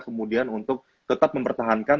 kemudian untuk tetap mempertahankan